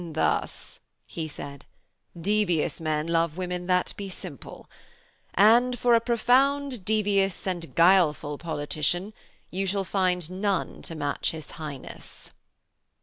'Thus,' he said, 'devious men love women that be simple. And, for a profound, devious and guileful politician you shall find none to match his Highness.'